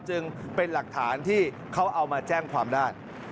จึงเป็นหลักฐานที่เขาเอามาแจ้งความได้